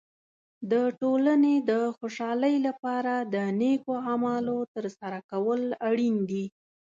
د ټولنې د خوشحالۍ لپاره د نیکو اعمالو تر سره کول اړین دي.